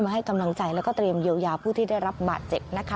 ให้กำลังใจแล้วก็เตรียมเยียวยาผู้ที่ได้รับบาดเจ็บนะคะ